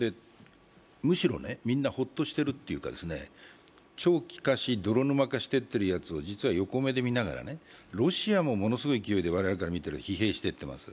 むしろみんなホッとしているというか、長期化し泥沼化していっているのを実は横目で見ながら、ロシアもものすごい勢いで我々から見ていて疲弊しています。